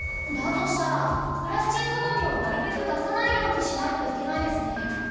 だとしたらプラスチックゴミをなるべく出さないようにしないといけないですね。